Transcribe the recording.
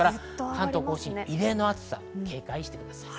関東甲信、異例の暑さに警戒してください。